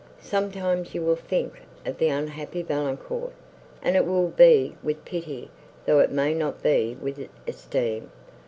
Sometimes you will think of the unhappy Valancourt, and it will be with pity, though it may not be with esteem.